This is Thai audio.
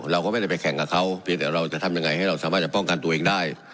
เราก็ไม่ได้ไปแข่งกับเขาเพียงแต่เราจะทำยังไงให้เราสามารถจะป้องกันตัวเองได้